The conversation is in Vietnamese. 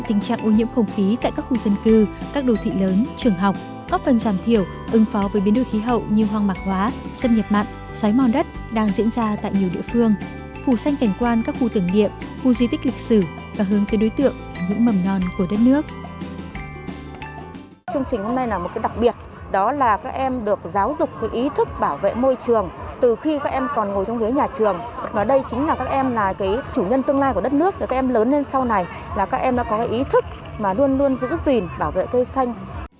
từ khi các em còn ngồi trong ghế nhà trường và đây chính là các em là chủ nhân tương lai của đất nước để các em lớn lên sau này là các em đã có ý thức mà luôn luôn giữ gìn bảo vệ cây xanh